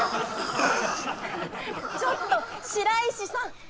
ちょっと白石さん！